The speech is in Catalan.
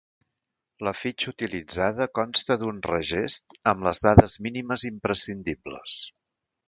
La fitxa utilitzada consta d'un regest amb les dades mínimes imprescindibles.